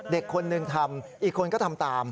เด็กคนหนึ่งทำอีกคนก็ทำตาม